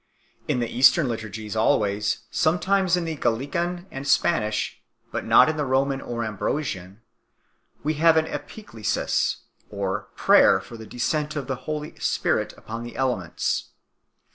In the Eastern liturgies always, sometimes in the Gallican and Spanish, but not in the Roman or Ambrosian, we have an Epiklesis or prayer for the descent of the Holy Spirit upon the elements.